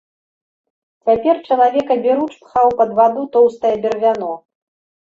Цяпер чалавек аберуч пхаў пад ваду тоўстае бервяно.